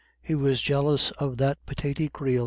He was jealous of that pitaty creel.